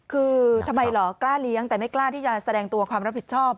คือทำไมเหรอกล้าเลี้ยงแต่ไม่กล้าที่จะแสดงตัวความรับผิดชอบ